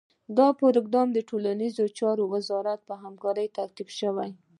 دا پروګرام د ټولنیزو چارو وزارت په همکارۍ ترتیب شي.